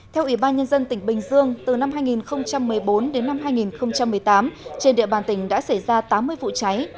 theo ủy ban nhân dân tỉnh bình dương từ năm hai nghìn một mươi bốn đến năm hai nghìn một mươi tám trên địa bàn tỉnh đã xảy ra tám mươi vụ cháy